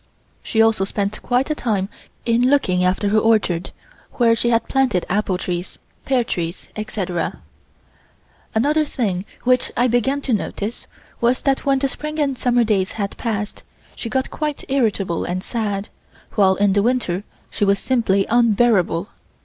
She also spent quite a time in looking after her orchard, where she had planted apple trees, pear trees, etc. Another thing which I began to notice was that when the spring and summer days had passed, she got quite irritable and sad, while in the winter she was simply unbearable.